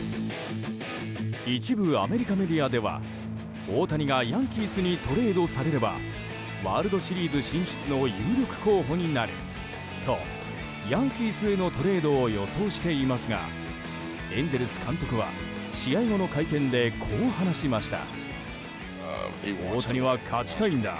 一部アメリカメディアでは大谷がヤンキースにトレードされればワールドシリーズ進出の有力候補になるとヤンキースへのトレードを予想していますがエンゼルス監督は試合後の会見でこう話しました。